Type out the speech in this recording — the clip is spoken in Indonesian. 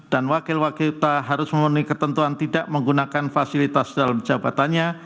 dan wakil wakil kita harus memenuhi ketentuan tidak menggunakan fasilitas dalam jabatannya